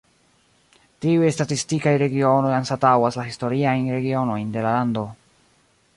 Tiuj statistikaj regionoj anstataŭas la historiajn regionojn de la lando.